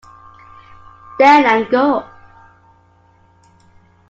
Then I'll go.